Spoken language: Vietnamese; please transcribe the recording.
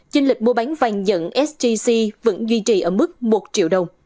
chinh lịch mua bán vàng dẫn stc vẫn duy trì ở mức một triệu đồng